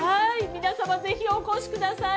皆さんお越しください。